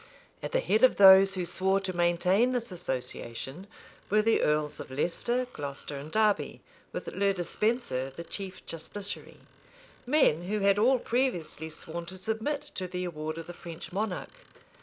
At the head of those who swore to maintain this association, were the earls of Leicester, Glocester, and Derby, with Le Despenser, the chief justiciary; men who had all previously sworn to submit to the award of the French monarch.